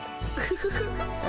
フフフフ。